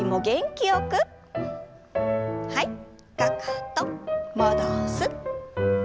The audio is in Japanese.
はい。